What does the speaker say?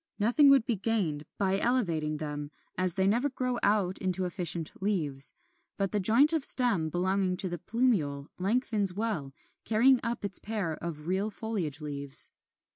Nothing would be gained by elevating them, as they never grow out into efficient leaves; but the joint of stem belonging to the plumule lengthens well, carrying up its pair of real foliage leaves.